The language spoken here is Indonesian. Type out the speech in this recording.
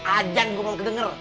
ajang gua belum kedenger